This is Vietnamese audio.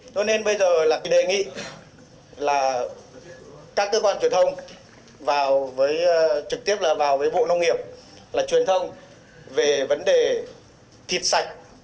cho nên bây giờ là đề nghị là các cơ quan truyền thông trực tiếp vào với bộ nông nghiệp là truyền thông về vấn đề thịt sạch